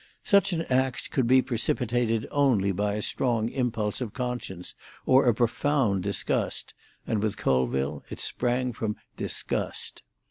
Such an act could be precipitated only by a strong impulse of conscience or a profound disgust, and with Colville it sprang from disgust.